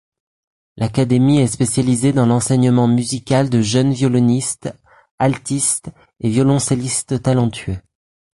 L'académie est spécialisée dans l'enseignement musical de jeunes violonistes, altistes et violoncellistes talentueux.